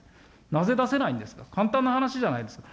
なぜ出せないんですか、簡単な話じゃないですか。